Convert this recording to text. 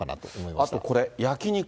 あとこれ、焼き肉。